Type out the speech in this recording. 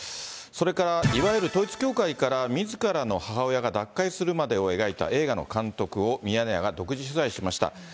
それから、いわゆる統一教会からみずからの母親が脱会するまでを描いた映画の監督を、ミヤネ屋が独自取材しました。